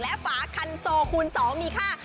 และฝาคันโซคูณ๒มีค่า